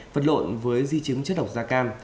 vật lộn với di chứng chất độc gia cam